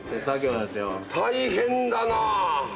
大変だな！